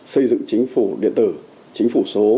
xây dựng chính phủ điện tử chính phủ số